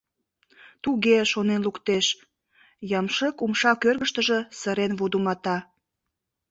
— Туге... шонен луктеш... — ямшык умша кӧргыштыжӧ сырен вудымата.